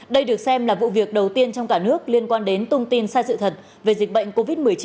đây được xem là vụ việc đầu tiên trong cả nước liên quan đến thông tin sai sự thật về dịch bệnh covid một mươi chín